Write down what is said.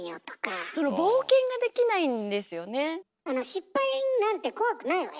失敗なんて怖くないわよ。